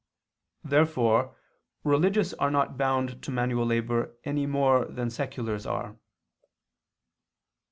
Therefore religious are not bound to manual labor any more than seculars are.